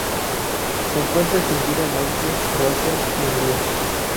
Se encuentra extinta en Austria, Croacia y Hungría.